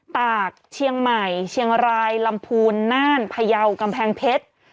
ตากเชียงใหม่เชียงรายลำพูนน่านพยาวกำแพงเพชร